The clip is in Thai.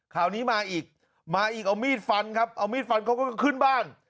คราวนี้มาอีกมาอีกเอามีดฟันครับเอามีดฟันเขาก็ขึ้นบ้าน